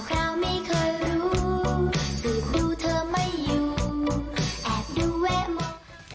คุณค่ะขอบคุณมากค่ะ